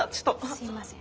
すいません。